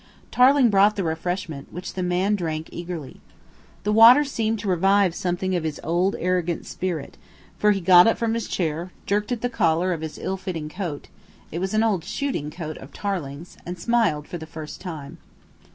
Tarling brought the refreshment, which the man drank eagerly. The water seemed to revive something of his old arrogant spirit, for he got up from his chair, jerked at the collar of his ill fitting coat it was an old shooting coat of Tarling's and smiled for the first time.